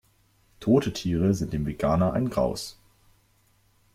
Tote Tiere sind dem Veganer ein Graus.